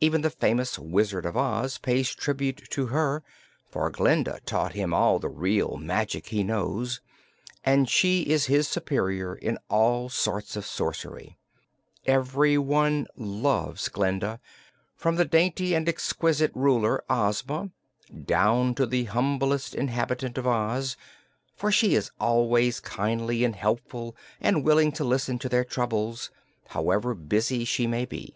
Even the famous Wizard of Oz pays tribute to her, for Glinda taught him all the real magic he knows, and she is his superior in all sorts of sorcery Everyone loves Glinda, from the dainty and exquisite Ruler, Ozma, down to the humblest inhabitant of Oz, for she is always kindly and helpful and willing to listen to their troubles, however busy she may be.